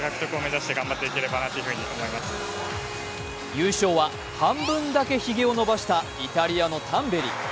優勝は半分だけひげを伸ばしたイタリアのタンベリ。